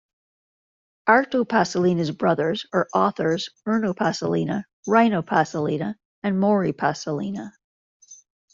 Arto Paasilinna's brothers are authors Erno Paasilinna, Reino Paasilinna and Mauri Paasilinna.